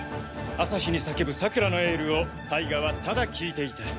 朝日に叫ぶさくらのエールをタイガはただ聞いていた。